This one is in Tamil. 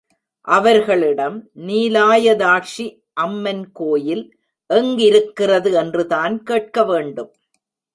அவர்களிடம் நீலாயதாக்ஷி அம்மன் கோயில் எங்கிருக்கிறது என்றுதான் கேட்க வேண்டும்.